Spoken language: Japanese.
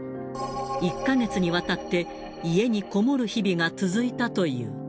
１か月にわたって、家に籠もる日々が続いたという。